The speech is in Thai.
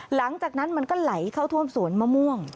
หลังจากนั้นมันก็ไหลเข้าท่วมสวนมะม่วง